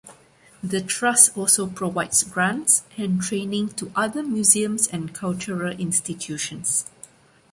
The trust also provides grants and training to other museums and cultural institutions.